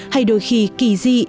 hay đôi khi kỳ dị